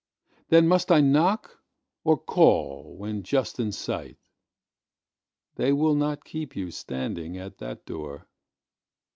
Then must I knock, or call when just in sight? They will not keep you standing at that door.